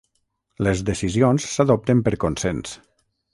Les decisions s'adopten per consens.